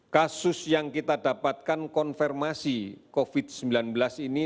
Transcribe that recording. kasus yang kita dapatkan konfirmasi covid sembilan belas ini